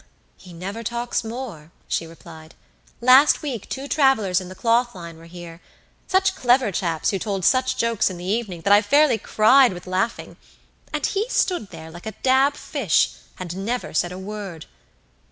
"He never talks more," she replied. "Last week two travelers in the cloth line were here such clever chaps who told such jokes in the evening, that I fairly cried with laughing; and he stood there like a dab fish and never said a word."